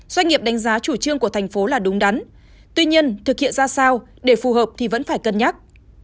doanh nghiệp đánh giá chủ trương của thành phố là đúng đắn tuy nhiên thực hiện ra sao để phù hợp thì vẫn phải cân nhắc